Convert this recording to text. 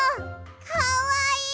かわいい！